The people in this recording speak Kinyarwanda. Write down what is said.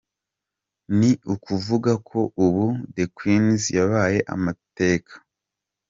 com: ni ukuvuga ko ubu The Queens yabaye amateka?.